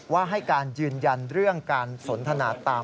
ให้การยืนยันเรื่องการสนทนาตาม